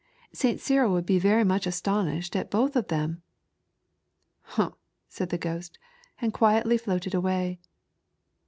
St. Cyril would be very much astonished at both of them." "Humph!" said the ghost, and quietly floated away.